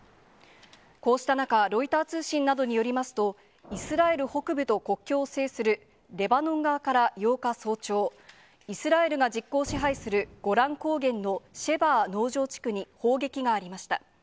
こうした中、ロイター通信などによりますと、イスラエル北部と国境を接するレバノン側から８日早朝、イスラエルが実効支配するゴラン高原のシェバア農場地区に砲撃がありました。